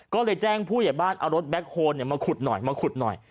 ก็เลยแจ้งผู้ใหญ่บ้านเอารถแบ็คโฮลมาขุดหน่อยมาขุดหน่อย